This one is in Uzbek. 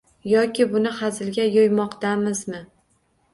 Yoki buni hazilga yo‘ymoqdamizmi?